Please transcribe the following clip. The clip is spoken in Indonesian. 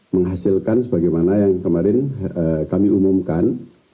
menghasilkan sebagaimana yang kemarin kami umumkan